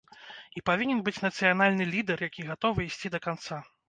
І павінен быць нацыянальны лідар, які гатовы ісці да канца.